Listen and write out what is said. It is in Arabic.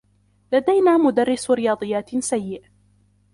لدينا مدرّس رياضيّات سيّء.